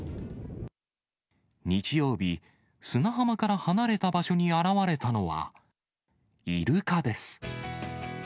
日曜日、砂浜から離れた場所に現れたのは、イルカです。